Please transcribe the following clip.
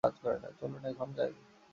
চলুন এখন খাই?